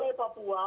terima kasih pak